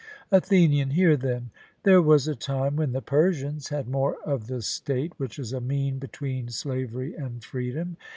ATHENIAN: Hear, then: There was a time when the Persians had more of the state which is a mean between slavery and freedom.